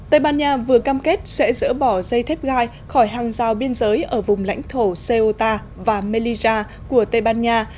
tây ban nha vừa cam kết sẽ dỡ bỏ dây thép gai khỏi hàng rào biên giới ở vùng lãnh thổ cota và melisa của tây ban nha